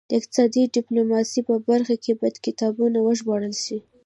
د اقتصادي ډیپلوماسي په برخه کې باید کتابونه وژباړل شي